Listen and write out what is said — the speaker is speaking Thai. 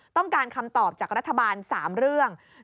ต้องการคำตอบจากรัฐบาล๓เรื่อง